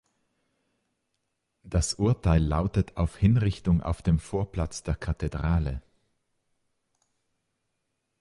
Das Urteil lautet auf Hinrichtung auf dem Vorplatz der Kathedrale.